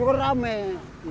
dulu kan ramai